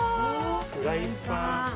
フライパン。